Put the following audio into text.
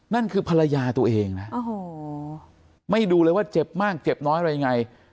นั่นคือภรรยาตัวเองนะโอ้โหไม่ดูเลยว่าเจ็บมากเจ็บน้อยอะไรยังไง